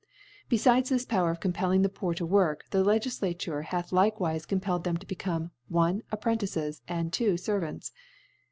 . Befides this Power of compelling the Poor to work, the Legiflatiire hath likewife compelled them to become, i. Apprentices, and, 2d. Servants.